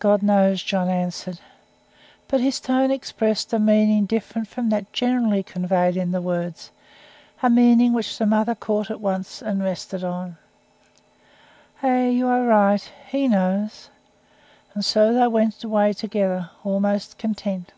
"God knows," John answered. But his tone expressed a meaning different from that generally conveyed in the words: a meaning which the mother caught at once, and rested on. "Ay you are right. He knows!" And so they went away together, almost content.